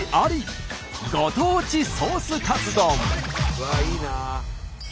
うわっいいな。